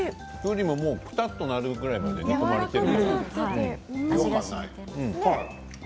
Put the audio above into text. くたっとなるぐらいまでになっている。